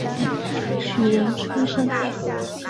举人出身。